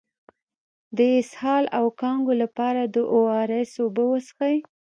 د اسهال او کانګو لپاره د او ار اس اوبه وڅښئ